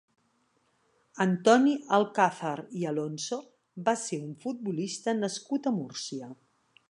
Antoni Alcázar i Alonso va ser un futbolista nascut a Múrcia.